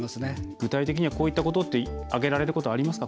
具体的にこういったことって挙げられることはありますか？